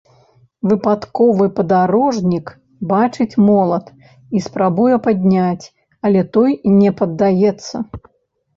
Выпадковы падарожнік бачыць молат і спрабуе падняць, але той не паддаецца.